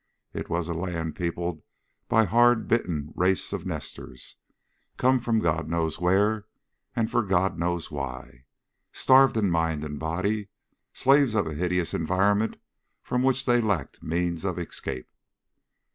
It was a land peopled by a hard bitten race of nesters come from God knows where and for God knows why starved in mind and body, slaves of a hideous environment from which they lacked means of escape.